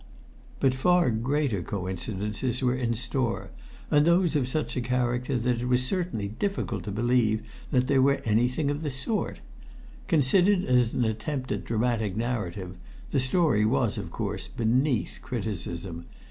But far greater coincidences were in store, and those of such a character that it was certainly difficult to believe that they were anything of the sort. Considered as an attempt at dramatic narrative, the story was, of course, beneath criticism.